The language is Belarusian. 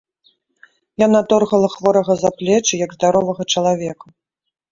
Яна торгала хворага за плечы, як здаровага чалавека.